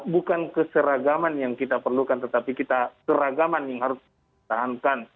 bukan keseragaman yang kita perlukan tetapi kita keragaman yang harus kita tahankan